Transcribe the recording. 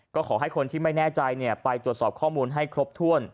ก็ขอให้คนที่ไม่แน่ใจไปตรวจสอบข้อมูลให้ครบถ้วน